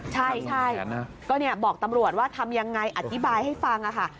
ใช่ก็บอกตำรวจว่าทำยังไงอธิบายให้ฟังค่ะ